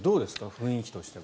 雰囲気としては。